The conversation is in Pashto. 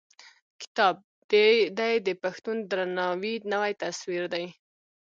کتاب: دی د پښتون د درناوي نوی تصوير دی.